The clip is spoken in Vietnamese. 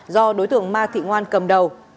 do đối tượng ma thị ngoan cầm đầu